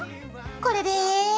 これで。